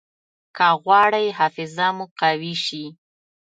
که غواړئ حافظه مو قوي شي.